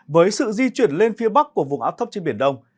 với sự di chuyển lên phía bắc của vùng áp thấp trên biển đông